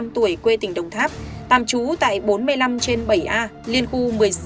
một mươi năm tuổi quê tỉnh đồng tháp tạm trú tại bốn mươi năm trên bảy a liên khu một mươi sáu một mươi tám